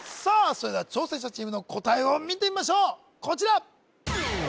それでは挑戦者チームの答えを見てみましょうこちら！